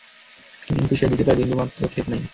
কিন্তু সে দিকে তার বিন্দুমাত্র ক্ষেপ নেই।